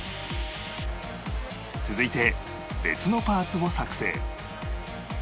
続いて別のパーツを作成